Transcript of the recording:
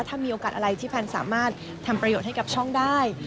ถ้ามีโอกาสอะไรที่แพนสามารถทำประโยชน์ให้กับช่องได้